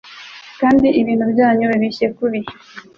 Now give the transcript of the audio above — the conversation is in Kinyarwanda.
Kandi ibintu byanyu bibishye kubi